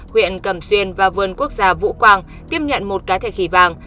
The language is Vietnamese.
huyện cầm xuyên và vườn quốc gia vũ quang tiếp nhận một cá thể khỉ vàng